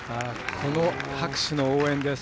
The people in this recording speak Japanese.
この拍手の応援です。